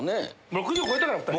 ６０超えたから２人。